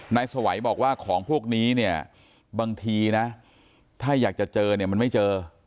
สวัยบอกว่าของพวกนี้เนี่ยบางทีนะถ้าอยากจะเจอเนี่ยมันไม่เจอ